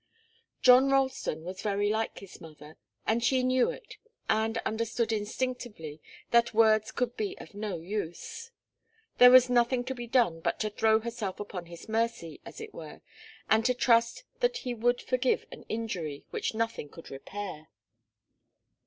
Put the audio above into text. John Ralston was very like his mother, and she knew it and understood instinctively that words could be of no use. There was nothing to be done but to throw herself upon his mercy, as it were, and to trust that he would forgive an injury which nothing could repair.